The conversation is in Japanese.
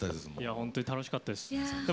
本当に楽しかったです。